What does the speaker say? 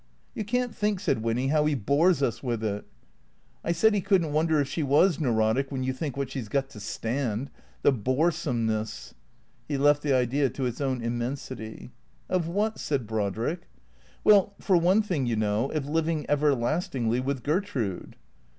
" You can't think," said Winny, " how he bores us with it." " I said he could n't wonder if she was neurotic, when you think what she 's got to stand. The boresomeness ——" He left the idea to its own immensity. "Of what? "said Brodrick. " Well, for one thing, you know, of living everlastingly with Gertrude."